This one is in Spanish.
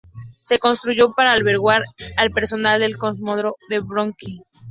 Se construyó para albergar al personal del Cosmódromo de Baikonur.